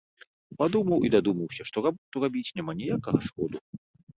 Падумаў і дадумаўся, што работу рабіць няма ніякага сходу.